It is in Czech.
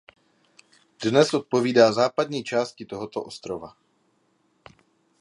Dnes odpovídá západní části tohoto ostrova.